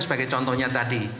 sebagai contohnya tadi